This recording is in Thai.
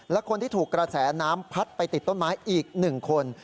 และคนที่ถูกกระแสน้ำพัดไปติดต้นไม้อีก๑คน